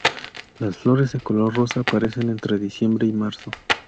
Las flores de color rosa aparecen entre diciembre y marzo.